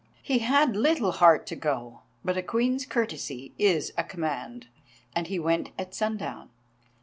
He had little heart to go, but a Queen's courtesy is a command, and he went at sundown.